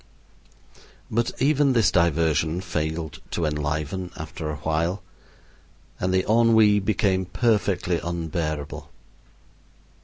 But even this diversion failed to enliven after awhile, and the ennui became perfectly unbearable.